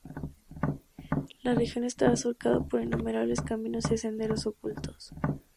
La región estaba surcada por innumerables caminos y senderos ocultos.